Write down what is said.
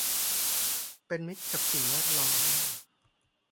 เป็นมิตรกับสิ่งแวดล้อม